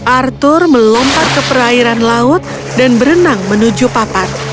arthur melompat ke perairan laut dan berenang menuju papan